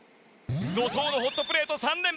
怒濤のホットプレート３連発！